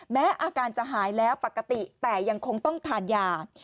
แม้อาการจะหายแล้วปกติแต่ยังคงต้องทานยา